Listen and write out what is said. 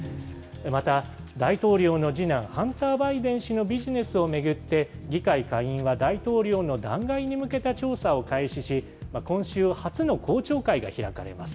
また、大統領の次男、ハンター・バイデン氏のビジネスを巡って、議会下院は大統領の弾劾に向けた調査を開始し、今週初の公聴会が開かれます。